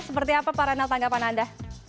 seperti apa pak renal tanggapan anda